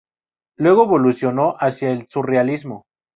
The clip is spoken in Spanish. Luego evolucionó hacia el surrealismo.